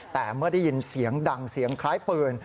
แต่เมื่อได้ยินเสียงดังเสียงคล้ายปืน